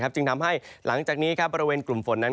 จึงทำให้หลังจากนี้บริเวณกลุ่มฝนนั้น